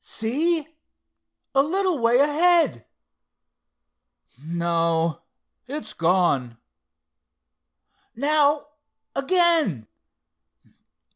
See, a little way ahead? No, it's gone. Now, again!